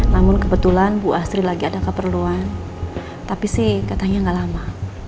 namun kebetulan bu asri lagi ada keperluan tapi sih katanya nggak lama